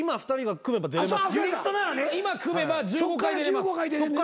今組めば１５回出れます。